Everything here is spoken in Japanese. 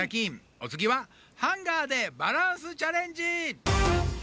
おつぎは「ハンガーでバランスチャレンジ」！